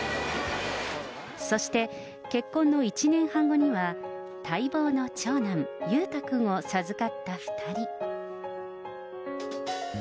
そして、結婚の１年半後には、待望の長男、裕太君を授かった２人。